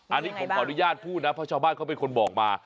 อันนี้ผมขออนุญาตพูดนะเพราะชาวบ้านเขาเป็นคนบอกมา